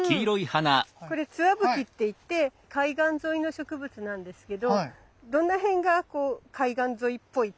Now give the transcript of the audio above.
これツワブキっていって海岸沿いの植物なんですけどどの辺がこう海岸沿いっぽいっていうか。